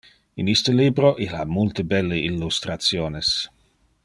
In iste libro, il ha multe belle illustrationes.